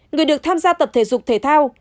người được tham gia tập thể dục thể thao